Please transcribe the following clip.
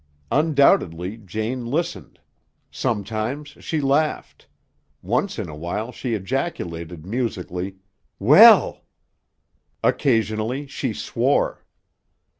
Undoubtedly Jane listened. Sometimes she laughed. Once in a while she ejaculated, musically, "Well!" Occasionally she swore.